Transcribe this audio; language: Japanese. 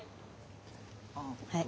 はい。